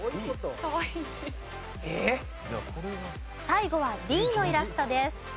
最後はＤのイラストです。